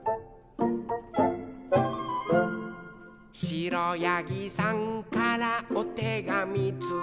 「しろやぎさんからおてがみついた」